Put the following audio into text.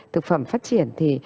thực phẩm phát triển thì